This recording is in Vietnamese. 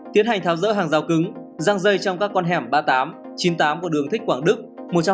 tiến hành tháo rỡ hàng rào cứng răng dây trong các con hẻm ba mươi tám chín mươi tám của đường thích quảng đức